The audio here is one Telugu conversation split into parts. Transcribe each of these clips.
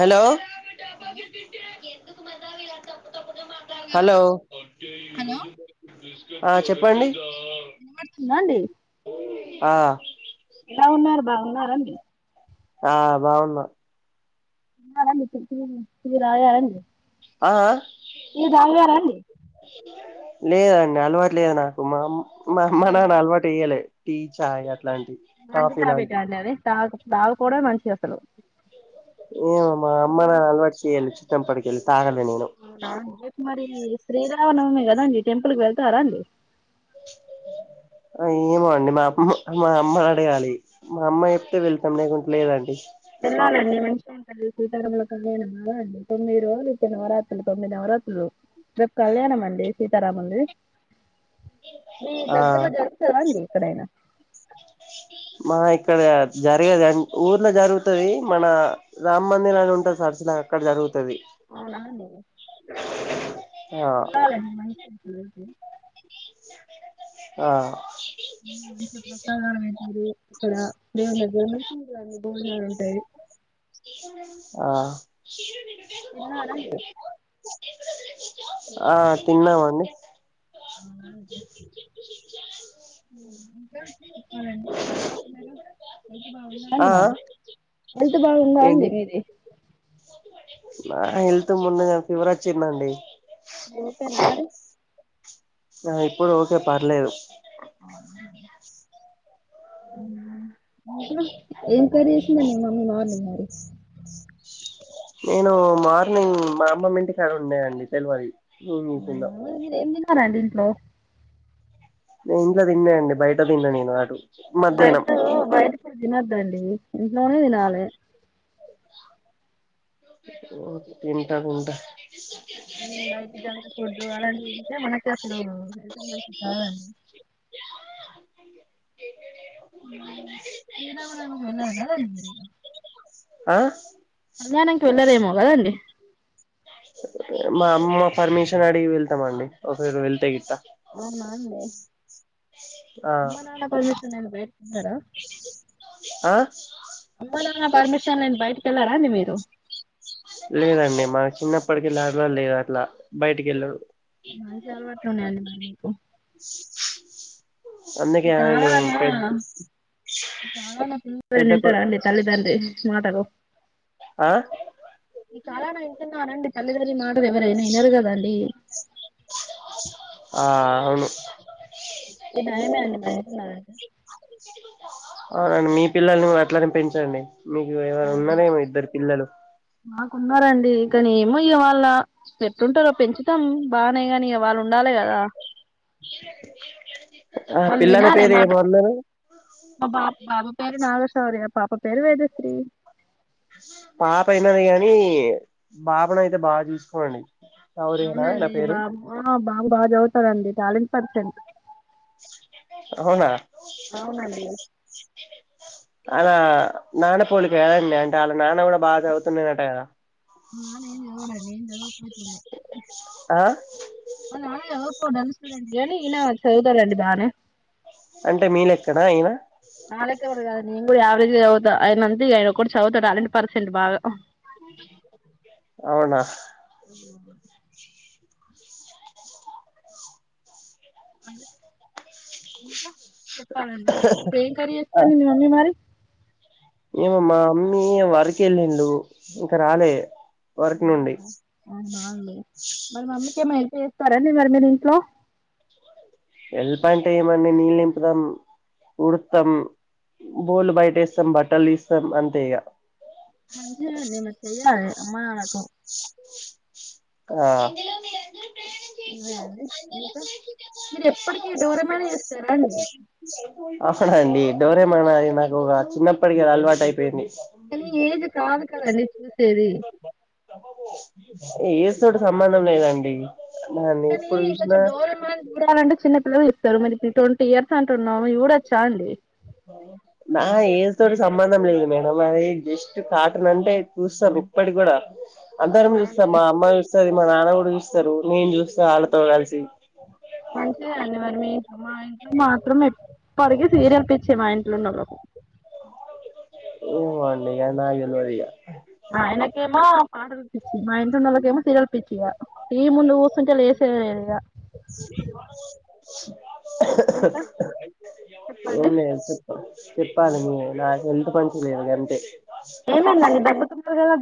హలో హలో [inaudible] కు మన్నావి అ హలో హలో ఆ చెప్పండి న్నా అండి ఆ ఎలా ఉన్నారు [inaudible] ఆ బాగుంద ఆడి త రాగా ఆడి ఆ ఇది అంగారంండి లేదండి అలవాటు లేదు నాకు మామ్ మా అమ్మనాన్న అలవాటయ్యలే టీ చా మజ ఆబట్ అంటారే సాగు దావి కూడా మంచి అసలు ఏమమ్ మా అమ్మ నా అలవాటు చేయాలచ్చు చెంపటికి స విజయ కుమారి శ్రీల అవున మీ అద అండి టెంపుల్ వెళ్త అ ర అండి ఏమో అండి మా అమ్మ మా అమ్మ అడగాలి మా అమ్మ చెప్తే వెళ్తాం లేకుంట లేదండి ఎండి మష సీతారాముల కళ్యాణం అలా అండి తొమ్మిది రోజు ఇచ్చ నవరాత్రులు తొమ్మిది నవరాత్రులు రేపు కళ్యాణం అండి సీతారాముల్లు ది మీ ఆ దగ్గరలో జరుగుతారా అండి క్కడైనా మా ఇక్కడ జరగది అ ఊర్లో జరుగుతుది మన రామ్ మందిరాన్ని ఉంటుంది స అసలా అక్కడ జరుగుతు ఆనా అలాక ఆ ఆ మనిష ప్రసాదర అతేరు ఇక్కడ దేవనగరంలో ఆ ఎన్నార ఆ తిన్నామండి అ అే ఇంకాే చెప్పాలండి ఏం చెప్స్తున్నారు ఎంత ఆ బాగుందాంది ఆ మరి ఎంత బాగుందా ఏంటి అంది మీది నా హెల్త్ ముందు ఫీవర్ వచ్చిందండి అద ఓకేనా మరి ఆ ఇప్పుడు ఓకే పర్లేదు ఏం కరీ ఇసంద న మమ్మీ మార్ మరి నేను మార్నింగ్ మా అమ్మ ఇంటికిడ ఉన్నాయంండి తెలివది మీ ఎండి న నేను ఇంట్లో తిన్నా అండి బయట తిన్నాను నేను అటు మధ్యాహ్నం బైతు బయ దినద్దండి ఇంట్లోనే దిన ఆళ ఓ తిన్టా తిన్ంటా నైట్ జంక్ ఫుడ్ అలాంటిే మనకిసలు ఉ [inaudible] నాదగా ఆ కళ్యాణనికి వెళ్ళరేమోాల అదండి మా అమ్మ పర్మిషన్ అడిగి వెళ్తామ అండి ఒకవేరు వెళ్తే గట్టా అవునాంది ఆ అమ్మ నా పర్మిషన్ బయ వెళ్ళారా ఆ అమ్ నాన్న పర్మిషన్ నన్ బయటక వెళ్ళారా నిది [inaudible] లేదండి మన చిన్నప్పటికి వెళ్ళలా లేదు అట్లా బయటికి వెళ్ళరు మంచి అలవాట్లు ఉన్నాయండి మరి అందుకే ఆయన్ని కాాలన్నా పెద్ద చాలన్నా పిల్లర పెద్ద కొ తింటారాండి తల్లిదండ్రి మాటారు ఆ ఈ కాలానా అతున్నా రండి తల్లిదలి మాటారు ఎవరైనా అయినరు కదా అీ అను అండి మరి వింటున్నారంటే అవునండి మీ పిల్లల్ని కూడా అట్లనే పెంచండి మీకు ఎవరు ఉన్నారేమో ఇద్దరు పిల్లలు మాకున్నారంండి కానీ ఏమోయ్య వాళ్ళ చెట్టుంటారో పెంచుతాం బాగానే కానీ వాళ్ళు ఉండాలి కదా ఏ ఎ మల్ వినా మా మా బపు బబ ఎారు నాగష్వుర్య పాప పేరు వేదశ్రీ పాప అయినది కాగాని పాాపను అయితే బాగా చూసుకోంండి అరునా ఎలా పేరు బాగా బాగా చదువుతాడండీ టాలెంట్ పర్సెంట్ అవునా అవునండి అలా నాన్న పోలిక అండి అంటే అలా నాన్న కూడా బాగా చదువుతున్నానట కదా ఆ నేను చదవన నేన్ చదవ ఫస్ట్ ఉంది ఆ ఓ ననుసుడంది అనీ ఇనా చదుదారండి బానే అంటే మీలెక్కనా అయినా నాకవ కా నేను కూడా యావరేజ్ చదువుతా అయన మందికి అయన ఒకటి చదువుతా టాలెంటీ పర్సెంట్ బాగా అవునా అది ఇంకా చెప్పాలండి మీ ఇప్ ఏం కరీ చేస్తారూ మీ మమ్మీ మరి ఏమో మా అమ్మీ వరక వెళ్ళిండు ఇంక రాలే వర్క్ నుండి మరి మమ్మీ కే మైతే చేస్తారా మరి మీ ఇంట్లో ఎళ్ల్ పంట ఏమని నీళ్ళు నింపుతాం ఊడత్తమ్ బోలు బయటేస్తాం బట్టలు ఇస్తాం అంతే ఇగ మంచిగా నిమ చెయాలి అమ్మా నాకు కదా మీరెప్పటికీ ఈ డోరె ఆ అవునండి డోరేమో నాది నాకు ఒక చిన్నప్పటిక అలవాటు అయిపోయింది నీ ఏజ్ కాదు కదండీ చూసేది ఏసుోడు సంబంధం లేదండి దాన్ని కానీ ఎప్పుడు చూసినా కొంచెం డోర్ల మీద చూడాలంటే చిన్న చల ఇస్తారు మరి న ట్వంటీ ఇయర్స్ అంటున్నాము ఇవి కూడా వచ్చా అండి నా ఏజ్ తోటి సంబంధం లేదు మేడం అది జస్ట్ కాటన్ అంటే చూస్తాం ఇప్పటి కూడా అందరం చూస్తామా అమ్మ చూస్తాది మా నాన్న కూడా చూస్తారు నేను చూస్తా వాళ్ళతో కలిసి మంచిగా అనివరి మీ ఇంట్లో మా ఇంట్లో మాత్రమే పొరిగి సీరియల్ పిచ్చి మా ఇంటి విన్న రకం ఏమో అండి ఇంగా నాక్ తెల్వదు ఇగా ఆయనక్ ఏమా పాడు కుటిచ్ మా ఇంట ఉన్నోళ్లకి ఏమో సీరియల్ పిచ్చి ఈ ముందు ఊసుకుంటలా వేసే ఇగా ఏం లే అసల్ చెప్పాలని నా హెల్త్ మంచి లేదు అంతే ఏమన్నది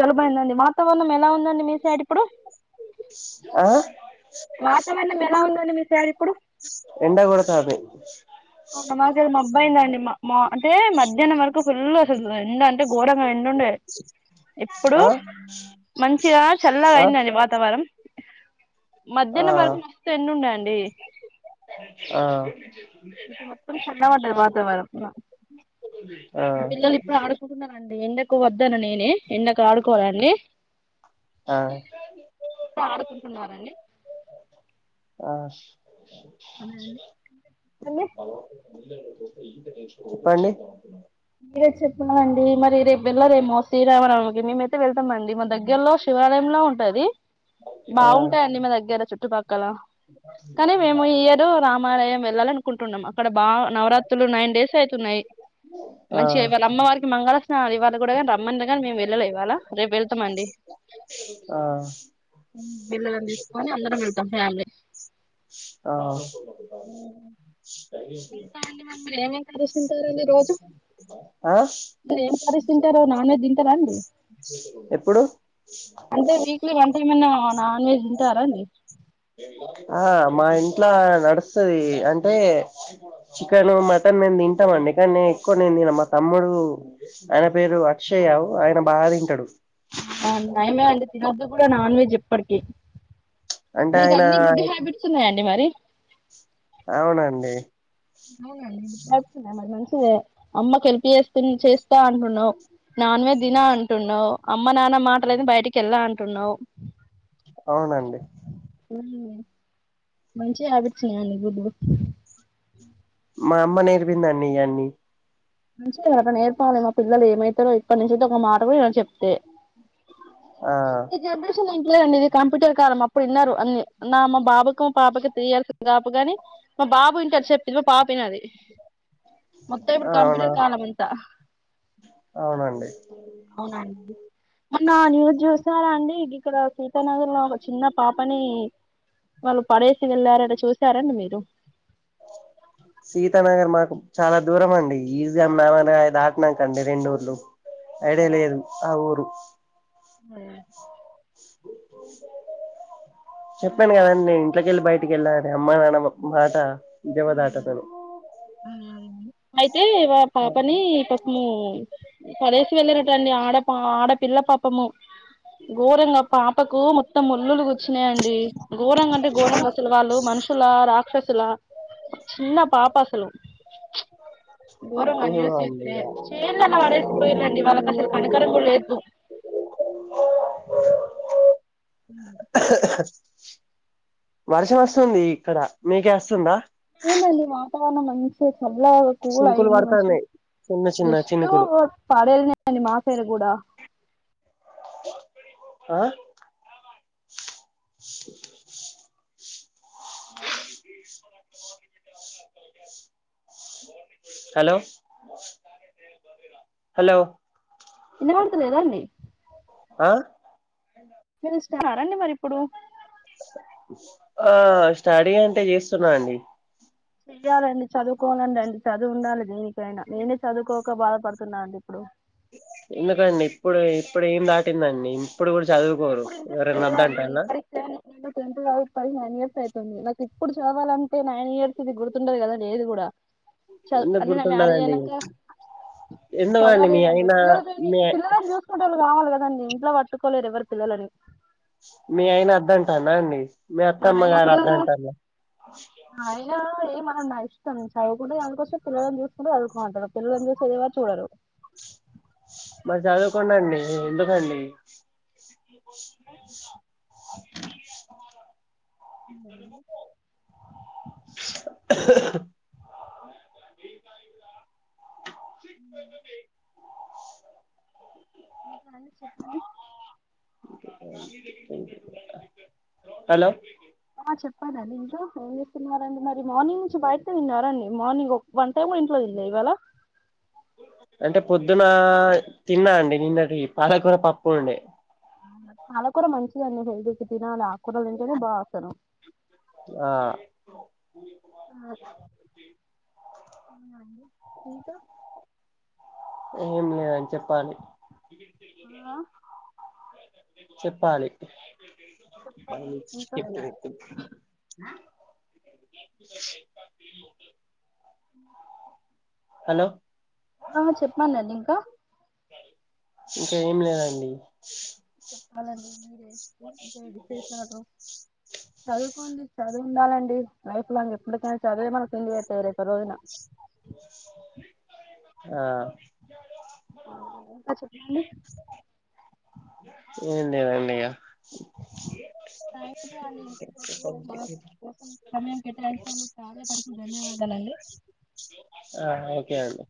జలుబైందండి వాతావరణం ఎలా ఉందండి మీసైడ్ ఇప్పుడు ఆ వాతావరణం ఎలా ఉందండి మీసైడ్ ఇప్పుడు ఎండ కొడతాంది అవును మా సైడ్ మబ్బైందండి మా మా అంటే మధ్యాహ్నం వరకు ఫుల్ అసలు ఎండ అంటే ఘోరంగా ఎండుండే. ఇప్పుడు ఆ మంచిగా చల్లగా ఆ అయిందండి వాతావరం ఆ మధ్యాహ్నం వరకు మస్తు ఎండుండే అండీ ఆ ఇప్పుడు మొత్తం చల్ల పడ్డది వాతావరం ఆ మా పిల్లలు ఇప్పుడె ఆడుకుంటున్నారన్ ఎండకు వద్దన్న నేనే ఎండకు ఆడుకోరా అండి ఆ ఆ అండి కండి మీరే చెప్తున్నరండి మరి రేపు వెళ్ళరేమో సే [unintelligible] వెళ్తమండి మా దగ్గరలో శివాలయంలో ఉన్ టది ఆ బాగుంటాయండి మ దగ్గర చుట్ ట్టుపక్ క్కలా కానీ మేము ఈ ఇయరు రామాలయం వెళ్ళాలనుకుంటున్నాం అక్కడ బా నవరాత్రులు నైన్ డేస్ అయితున్నాయి. ఆ మంచిగా ఇవాళ అమ్మవారికి మంగళ స్నానాలు ఇవ్వాళ కూడా కానీ రమ్మన్ర్ గాని మేం వెళ్లలే ఇవాళ రేపు వెళ్తాం అండి ఆ పిల్లలను తీసుకని అందరం వెళ్తాం ఫ్యామిలీ ఆ ఉ [unintelligible] తింటారండి రోజు ఆ మీరు ఏం కర్రీస్ తింటారు నాన్ వెజ్ తింటారా అండి ఎప్పుడు ఏమన్నా నాన్ వెజ్ తింటారాండి ఆ మా ఇంట్లా నడుస్తది అంటే చికెను మటన్ మేం తింటాం అండి కానీ నేను ఎక్కువ నేను తిన మా తమ్ముడు ఆయన పేరు అక్షయ్ ఆయన బాగ తింటాడు అవునా అండి నయమే అండి తినద్దు కూడా నాన్ వెజ్ ఇప్పడికి అంటే ఆయన మరి అవునండి అవునండి [unintelligible] అమ్మకి హెల్ప్ [unintelligible] చేస్తా అంటునావ్ నాన్ వెజ్ దిన అంటునావ్ అమ్మ నాన్న మాటలేని బయటికి వెళ్ళా అంటున్నావు అవునండి మంచి హ్యాబిట్స్ ఉనాయ్ అండి గుడ్ గుడ్ మా అమ్మ నేర్పింది అన్నీ ఈయన్ని నుంచి అడ నేర్పాలి గా పిల్లలు ఏమైతారో ఇప్పటి నుంచి అయితే ఒక మాట కూడ వినరు చెప్తే ఆ ఈ జనరషన్ లేదండి ఇది కంప్యూటర్ కాలం అప్పుడు విన్నారు అన్ని నా మా బాబుకు మా పాపకు త్రీ ఇయర్స్ కాపు కాగాని మా బాబు వింటారు చెప్పింది మా పాపనది మత్త ఇరు అవునా కంప్యూటర్ కాలం అంతా అవునండి అవునా అండి మొన్న న్యూ జ్యూస్ సారా అండి ఇక్కడ త్త నగర్లో చిన్న పాపని వాళ్ళ పడేసి వెళ్లారంట చూసారండి మీరు సీతా నగర్ మాకు చాలా దూరం అండి ఈజీగామ్ మమని దాటినాకండి రెండు ఊర్లు ఐడియా లేదు ఆ ఊరు ఆ [inaudible] చెప్పాను కదా అండి ఇంట్లో కెళ్ళి బయట అటికెలా అే అమ్మ నాన్న మాట జవధాతకని అ అ అయితే వా పాపని పపము పడేసి వెళ్ళిరండి ఆడ పా ఆడపిల్ల పాపము ఘోరంగా పాపకు మొత్తం ముల్లులు గు వచ్చినాయండి ఘోరంగా అంటే ఘోరంగా అసలు వాళ్ళు మనుషుల రాక్షస చలా చిన్న పాపా అసలు గోరంగాన్యూస్తే చేలేలా వాడేసిపోయిండి వాళ్ళకి అసలు కనుకరం కూడా లేదు ఉమ్ వర్షం వస్తుంది ఇక్కడ మీకేస్తుందా ఏందండి వాతవరణం మనిష మబ్ల చినుకులు కూల్యింది మంచిగా పడతాన్నాయి చిన్న చిన్న జస్ట్ చినుకులు పాడేన్ మా సైడ్ గూడా ఆ హలో హలో ఇన్నపడతలేదా అండి ఆ పిలుసున్నారా అండి మీరు ఇప్పుడు ఆ స్టడీ అంటే చేస్తున్నా అండి చెయ్యాలండి చదువుకోవాలండి అండ్ చదువు ఉండాలి దేనికైనా నేనే చదువుకోక బాధపడుతున్నానండి ఇప్పుడు ఎందుకండి ఇప్పుడు ఇప్పుడు ఏం దాటిందండి ఇప్పుడు కూడా చదువుకోరు ఎవరైనా లేదండి వద్దంటాన నేను టెన్త్ చదు పోయి నైన్ ఇయర్స్ అయితండ్ది నాకు ఇప్పుడు చదవాలంటే నైన్ ఇయర్స్ ది గుర్తుండదు కదా లేదు కూడా చదు ఎందుకు అంటే నేను మ్యారేజ్ గుర్తుండదండి అయనాక ఎందుకండి మీ చదవలేనండి అయినా పిల్లలతోని మీ పిల్లలని చూసుకుటె వాళ్ళు కావాలి కదా నన్ను ఇంట్లో పట్టుకోలేరు ఎవరు పిల్లోలని ఔన అండి మీ అత్తమ్మగారి అత్త అంటా అండి అయినా ఏమనరు నా ఇష్టం నేను చదువుకుంటే చదుకుంటా పిల్లలను చూస్తు చదువుకో అంటారు పిల్లలని చూడని కూడా చూడరు మరి చదువుకొను అండి ఎందుకండి కర్రె ముక్కు ఉమ్ బాలు చెప్పాలి హలో చెప్పాలండి ఇంకా ఏం చేస్తున్నారండి మరి మార్నింగ్ నుంచి బయటతో విన్నారండి మార్నింగ్ ఒక వన్ టైం కూడా ఇంట్లో లే ఇవ్వాళ అంటే పొద్దునా తిన్నా అండి నిన్నటి పాలకూర పప్పు అండి పాలకూర మంచిదండి హెల్త్ కి తినాలా కురలు తింటేనే బా వొస్తాను ఆ ఆ అవునా అండి ఇంకా ఏం లేదండి చెప్పాలి చెప్పాలి ప చె హలో ఆ చెప్పానండి ఇంకా ఇంకా ఏం లేదండి చెప్పాలని మీరే ఇంకాఎడి చేసారు చదువుకోండి చదు ఉండాలండి లైఫ్లాంగ్ ఎప్పటికైనా చదువే మనకు పేరు ఆ ఆ ఇంకా చెప్పండి ఏ లేదడి అ సమయంే పకు ధన్యవాదాలు ఆ ఓకే అండి